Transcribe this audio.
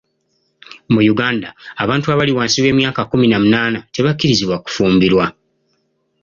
Mu Uganda, abantu abali wansi w'emyaka kkumi na munaana tebakkirizibwa kufumbirwa.